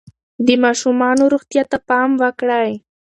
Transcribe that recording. د ماشومانو روغتیا ته پام وکړئ.